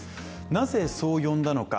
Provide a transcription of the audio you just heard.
なぜ、そう呼んだのか。